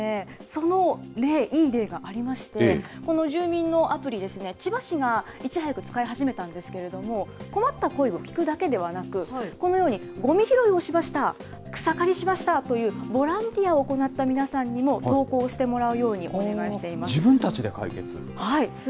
そのいい例がありまして、この住民のアプリですね、千葉市がいち早く使い始めたんですけれども、困った声を聞くだけではなく、このように、ごみ拾いをしました、草刈りしましたという、ボランティアを行った皆さんにも投稿してもらうようにお願いしています。